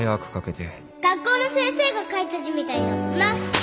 学校の先生が書いた字みたいだもんな。